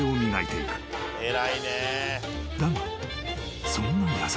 ［だがそんな矢先］